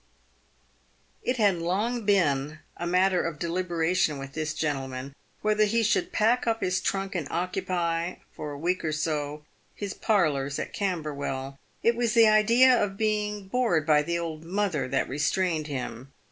It had long been a matter of deliberation with this gentleman whether he should pack up his trunk and occupy, for a week or so, his parlours at Camberwell. It was the idea of being " bored by the old mother" that restrained him.